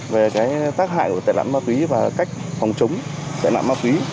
về cái tác hại của tài nạn ma túy và cách phòng chống tài nạn ma túy